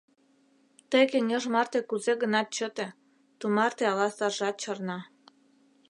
Тый кеҥеж марте кузе-гынат чыте, тумарте ала саржат чарна.